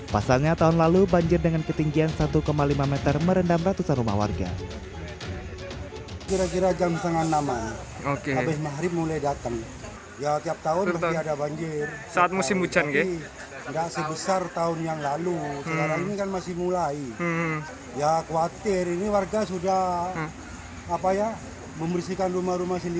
pasalnya tahun lalu banjir dengan ketinggian satu lima meter merendam ratusan rumah warga